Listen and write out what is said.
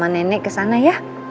sama nenek kesana ya